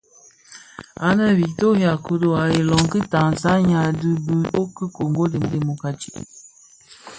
Anë a Victoria kodo a iloň ki Tanzania dhi bi tsog ki a Kongo Democratique.